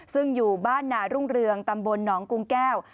ซึ่งอยู่บ้านนารุ่งเรืองตำบลหนองกุงแก้ว